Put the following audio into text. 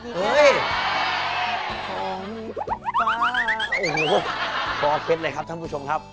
ดีครับฮงฟ้าโอ้โหพอเพชรเลยครับท่านผู้ชมครับ